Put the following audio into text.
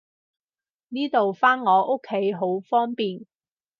呢度返我屋企好方便